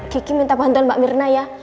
kiki minta bantuan mbak mirna ya